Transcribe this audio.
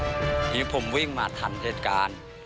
ทีนี้ผมวิ่งมาทันเหตุการณ์